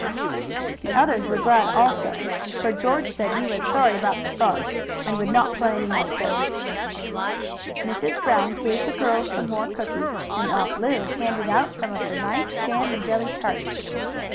The others were glad also, for George said he was sorry about the frogs, and would not play any more tricks. Mrs. Brown gave the girls some more cookies, and Aunt Lu handed out some of her nice jam and jelly tarts.